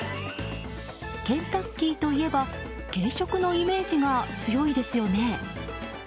ケンタッキーといえば軽食のイメージが強いですよね。